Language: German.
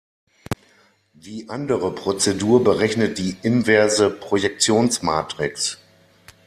Die andere Prozedur berechnet die inverse Projektionsmatrix.